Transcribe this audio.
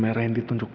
boleh lagi banget